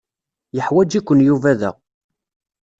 Yeḥwaǧ-iken Yuba da.